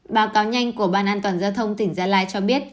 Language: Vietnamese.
báo cáo nhanh của ban an toàn giao thông tỉnh gia lai cho biết